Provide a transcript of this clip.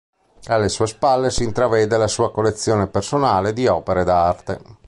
Alle sue spalle, si intravede la sua collezione personale di opere d'arte.